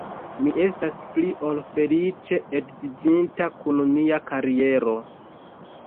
Mi estas pli ol feliĉe edziĝinta kun mia kariero.